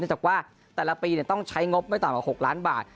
จากว่าแต่ละปีต้องใช้งบไม่ต่ำกว่า๖ล้านบาท